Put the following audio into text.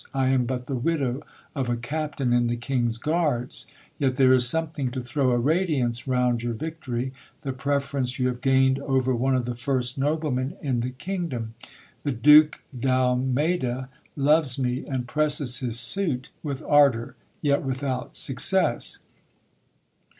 I am but the widow of a cap tain in the King's Guards ; yet there is something to throw a radiance round your victory the preference you have gained over one of the first noblemen in the kingdom. The Duke d : Almeyda loves me, and presses his suit with ardour, yet without success.